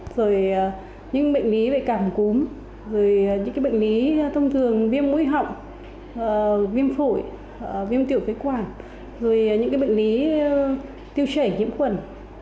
rồi những bệnh lý về cảm cúm rồi những bệnh lý thông thường viêm mũi họng viêm phổi viêm tiểu phế quản rồi những bệnh lý tiêu chảy nhiễm khuẩn